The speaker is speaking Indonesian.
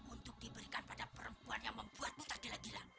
untuk diberikan pada perempuan yang membuatmu tak gila gila